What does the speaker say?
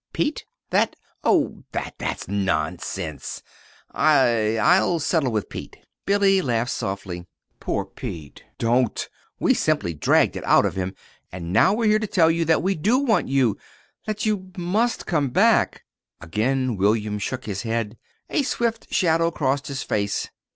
"Pete? That? Oh, that that's nonsense I I'll settle with Pete." Billy laughed softly. "Poor Pete! Don't. We simply dragged it out of him. And now we're here to tell you that we do want you, and that you must come back." Again William shook his head. A swift shadow crossed his face.